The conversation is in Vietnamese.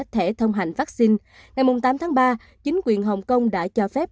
thể thông hành vaccine ngày tám tháng ba chính quyền hồng kông đã cho phép